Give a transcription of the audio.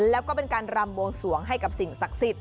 แล้วก็เป็นการรำบวงสวงให้กับสิ่งศักดิ์สิทธิ